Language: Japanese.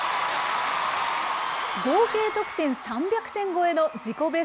合計得点３００点超えの自己